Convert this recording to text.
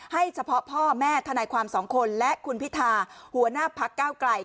เฉพาะพ่อแม่ทนายความสองคนและคุณพิธาหัวหน้าพักเก้าไกล